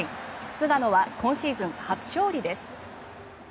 菅野は今シーズン初勝利です。